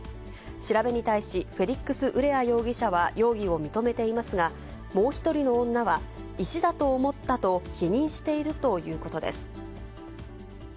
調べに対し、フェリックス・ウレア容疑者は容疑を認めていますが、もう１人の女は石だと思ったと否認しているということです。